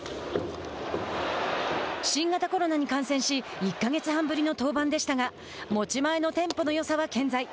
新型コロナに感染し１か月半ぶりの登板でしたが持ち前のテンポのよさは健在。